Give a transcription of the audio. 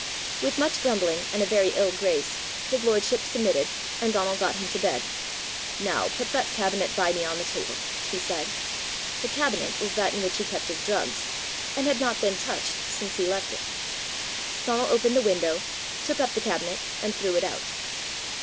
With much grumbling, and a very ill grace, his lordship submitted, and Donal got him to bed. "Now put that cabinet by me on the table," he said. The cabinet was that in which he kept his drugs, and had not been touched since he left it. Donal opened the window, took up the cabinet, and threw it out.